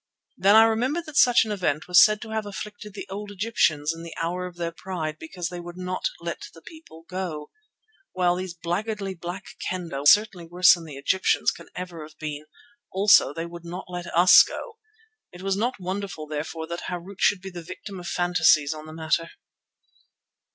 Then I remembered that such an event was said to have afflicted the old Egyptians in the hour of their pride because they would not "let the people go." Well, these blackguardedly Black Kendah were certainly worse than the Egyptians can ever have been; also they would not let us go. It was not wonderful therefore that Marût should be the victim of phantasies on the matter.